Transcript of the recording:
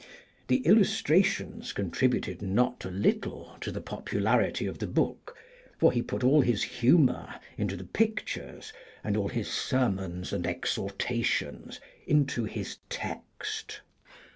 The illustrations contributed not a little to the popularity of the book, for he put all his humor into the pictures and all his sermons and exhortations into his text.